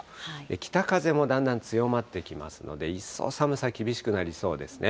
北風もだんだん強まってきますので、一層、寒さ厳しくなりそうですね。